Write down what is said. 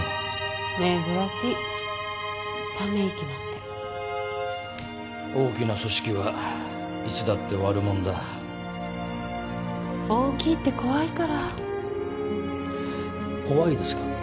めずらしいため息なんて大きな組織はいつだって悪者だ大きいって怖いから怖いですか？